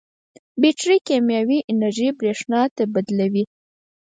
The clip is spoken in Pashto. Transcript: بیټرۍ کیمیاوي انرژي برېښنا ته بدلوي.